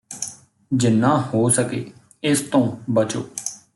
ਜਿੰਨਾ ਹੋ ਸਕੇ ਇਸ ਤੋਂ ਬਚੋ